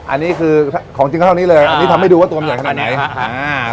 อันนี้คือของจริงเท่านี้เลยอันนี้ทำให้ดูว่าตัวมันใหญ่ขนาดไหน